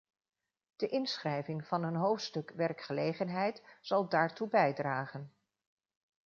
De inschrijving van een hoofdstuk werkgelegenheid zal daartoe bijdragen.